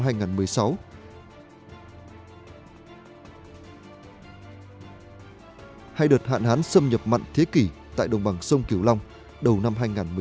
hai đợt hạn hán xâm nhập mặn thế kỷ tại đồng bằng sông kiều long đầu năm hai nghìn một mươi chín